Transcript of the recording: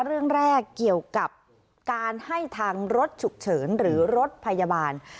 เรื่องแรกเกี่ยวกับการให้ทางรถฉุกเฉินหรือรถพยาบาล